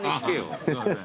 ああすいません。